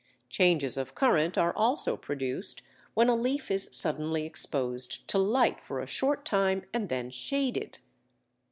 Changes of current are also produced when a leaf is suddenly exposed to light for a short time and then shaded.